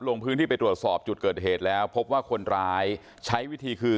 ลงพื้นที่ไปตรวจสอบจุดเกิดเหตุแล้วพบว่าคนร้ายใช้วิธีคือ